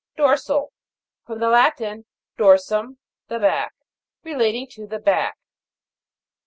DOR'SAL. From the Latin, dorsum, the back. Relating to the back.